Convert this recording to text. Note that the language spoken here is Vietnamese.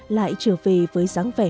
lại trở về với dáng vẻ